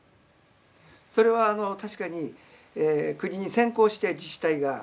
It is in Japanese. それは確かに国に先行して自治体が。